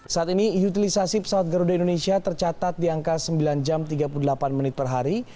saat ini utilisasi pesawat garuda indonesia tercatat di angka sembilan jam tiga puluh delapan menit per hari